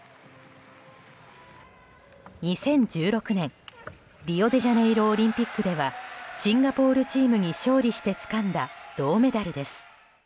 ２０１６年、リオデジャネイロオリンピックではシンガポールチームに勝利してつかんだ銅メダルです。